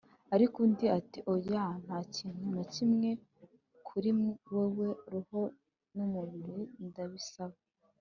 ariko undi ati “oya, nta kintu na kimwe kuri wewe; roho n'umubiri ndabisaba! ”